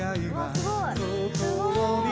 すごい！